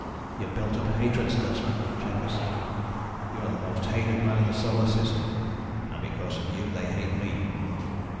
"You've built up hatred, Stutsman," Chambers said. "You are the most hated man in the Solar System. And because of you, they hate me.